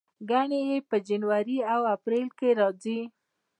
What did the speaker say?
ګڼې یې په جنوري او اپریل کې راځي.